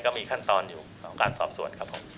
ก็มีขั้นตอนอยู่ของการสอบสวนครับผม